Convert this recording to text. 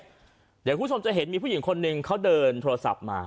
เดี๋ยวคุณผู้ชมจะเห็นมีผู้หญิงคนหนึ่งเขาเดินโทรศัพท์มา